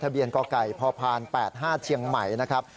เบียนกไก่พพ๘๕เชียงใหม่นะครับ